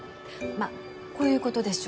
まあこういうことでしょ？